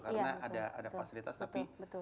karena ada fasilitas tapi